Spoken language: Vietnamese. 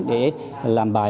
để làm bài